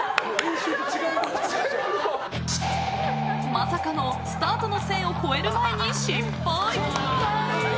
まさかのスタートの線を越える前に失敗。